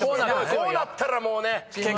こうなったらもうね！